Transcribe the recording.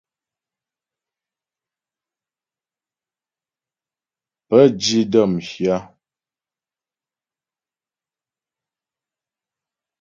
Pə́ di də́ m hyâ.